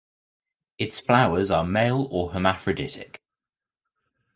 Its flowers are male or hermaphroditic.